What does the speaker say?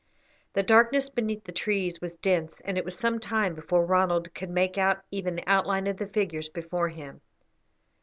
The darkness beneath the trees was dense, and it was some time before Ronald could make out even the outline of the figures before him.